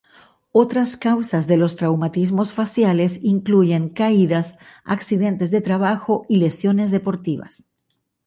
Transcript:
Otras causas de los traumatismos faciales incluyen caídas, accidentes de trabajo, y lesiones deportivas.